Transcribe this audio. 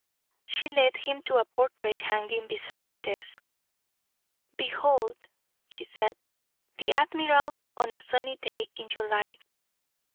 She led him to a portrait hanging beside the desk. "Behold," she said, "the admiral on a sunny day in July.